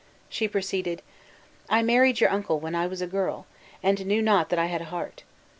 She proceeded: "I married your uncle when I was a girl, and knew not that I had a heart.